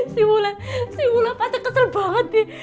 si ula si ula pasti kesel banget sih